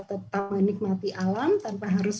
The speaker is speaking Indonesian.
tetap menikmati alam tanpa harus